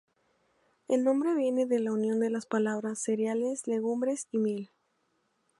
El nombre viene de la unión de las palabras "cereales, legumbres y miel".